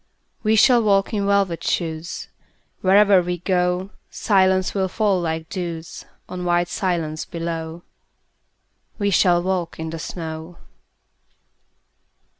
We shall walk in velvet shoes: Wherever we go Silence will fall like dews On white silence below. We shall walk in the snow.